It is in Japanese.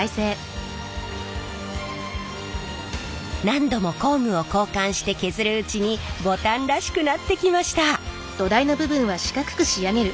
何度も工具を交換して削るうちにボタンらしくなってきました。